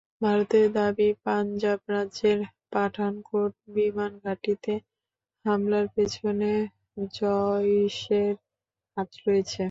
ভারতের দাবি, পাঞ্জাব রাজ্যের পাঠানকোট বিমানঘাঁটিতে হামলার পেছনে জইশের হাত রয়েছে।